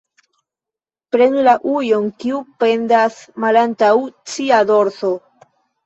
Prenu la ujon, kiu pendas malantaŭ cia dorso.